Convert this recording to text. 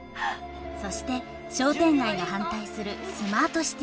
そして商店街が反対するスマートシティ計画。